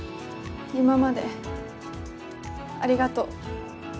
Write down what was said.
今までありがとう。